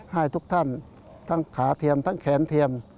ให้ทุกท่านทั้งขาเทียมทั้งแขนเทียม